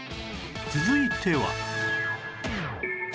続いては